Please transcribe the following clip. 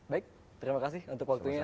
baik terima kasih untuk waktunya